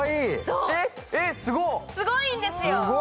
すごいんですよ。